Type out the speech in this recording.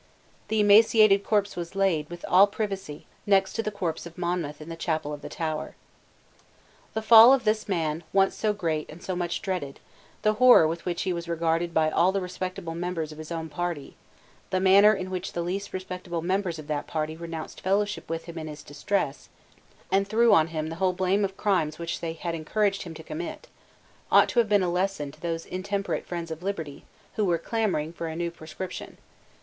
The emaciated corpse was laid, with all privacy, next to the corpse of Monmouth in the chapel of the Tower, The fall of this man, once so great and so much dreaded, the horror with which he was regarded by all the respectable members of his own party, the manner in which the least respectable members of that party renounced fellowship with him in his distress, and threw on him the whole blame of crimes which they had encouraged him to commit, ought to have been a lesson to those intemperate friends of liberty who were clamouring for a new proscription.